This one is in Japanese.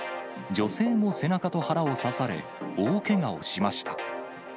女性も背中と腹を刺され、大けがをしました。